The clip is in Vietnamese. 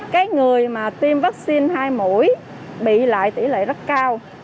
cái người mà tiêm vaccine hai mũi bị lại tỷ lệ rất cao